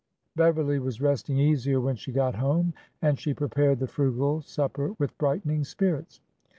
Beverly was resting easier when she got home, and she prepared the frugal supper with brightening spirits.